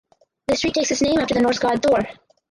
The street takes its name after the Norse god Thor.